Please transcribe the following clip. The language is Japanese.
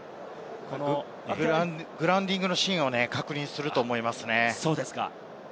グラウンディングのシーンを確認すると思いますね。